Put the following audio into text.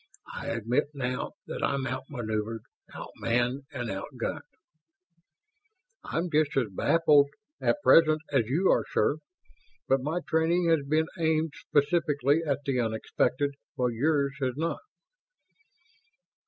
"I admit now that I'm out maneuvered, out manned, and out gunned." "I'm just as baffled at present as you are, sir. But my training has been aimed specifically at the unexpected, while yours has not."